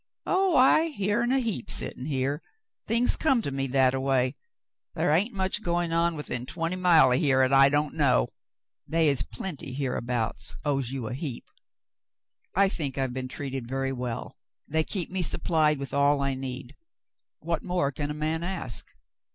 Oh, I hearn a heap sittin' here. Things comes to me that a way. Thar hain't much goin' on within twenty mile o' here 'at I don't know. They is plenty hereabouts owes you a heap." "I think I've been treated very well. They keep me supplied with all I need. What more can a man ask